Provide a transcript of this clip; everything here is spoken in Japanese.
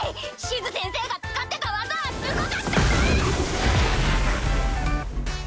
シズ先生が使ってた技はすごかったんだ！